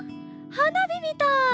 はなびみたい！